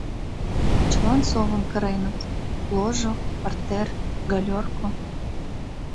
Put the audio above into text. Чылан совым кыреныт: ложо, партер, галёрко.